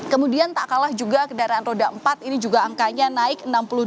kemudian tak kalah juga kendaraan roda empat ini juga angkanya naik enam puluh dua